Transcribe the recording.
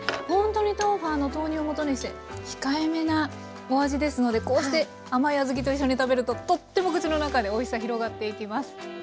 ほんとに豆花の豆乳をもとにして控えめなお味ですのでこうして甘い小豆と一緒に食べるととっても口の中でおいしさ広がっていきます。